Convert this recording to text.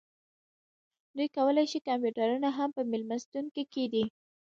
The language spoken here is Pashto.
دوی کولی شي کمپیوټرونه هم په میلمستون کې کیږدي